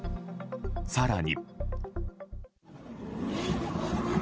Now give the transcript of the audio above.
更に。